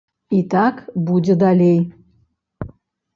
І так будзе далей.